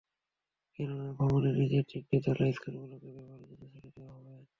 কেননা ভবনের নিচের তিনটি তলা স্কুলগুলোকে ব্যবহারের জন্য ছেড়ে দেওয়া হবে।